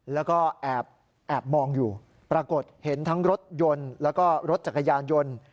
แล้วก็แอบมองอยู่ปรากฏเห็นทั้งรถยนต์แล้วก็รถจักรยานยนต์